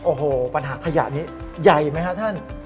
โอ้โหปัญหาขยะนี้ใหญ่ไหมครับท่าน